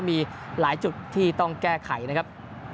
มีหลายจุดที่ต้องแก้ไขนะครับ